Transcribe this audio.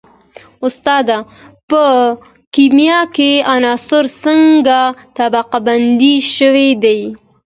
استاده په کیمیا کې عناصر څنګه طبقه بندي شوي دي